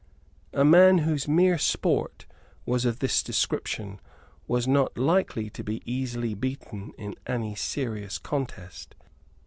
A man whose mere sport was of this description was not likely to be easily beaten in any serious contest.